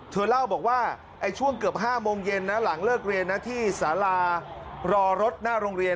เธอเล่าบอกว่าช่วงเกือบ๕โมงเย็นนะหลังเลิกเรียนนะที่สารารอรถหน้าโรงเรียน